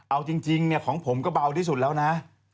เอาจริงของผมก็เบาที่สุดแล้วนะ